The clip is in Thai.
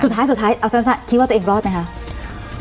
สุดท้ายสุดท้ายอาวุธาศาสตร์คิดว่าตัวเองรอดไหมคะ